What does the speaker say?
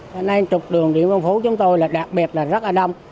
lục đường địa bàn phố của chúng tôi là đặc biệt là rất là đông